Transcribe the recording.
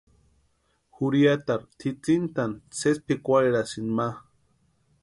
Jurhiatarhu tʼitsintʼani sési pʼikwarherasïni ma.